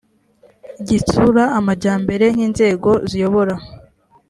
gitsura amajyambere nk inzego ziyobora